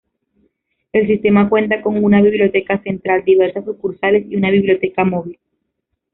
El sistema cuenta con una biblioteca central, diversas sucursales, y una biblioteca móvil.